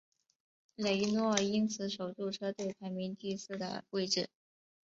雷诺因此守住车队排名第四的位子。